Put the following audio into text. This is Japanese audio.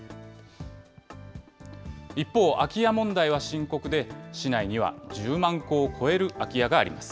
一方、空き家問題は深刻で、市内には１０万戸を超える空き家があります。